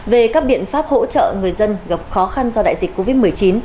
về các biện pháp hỗ trợ người dân gặp khó khăn do đại dịch covid một mươi chín